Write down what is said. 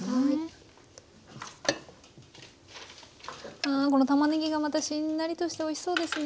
あこのたまねぎがまたしんなりとしておいしそうですね。